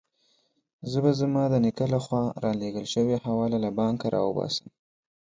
زه به زما د نیکه له خوا رالېږل شوې حواله له بانکه راوباسم.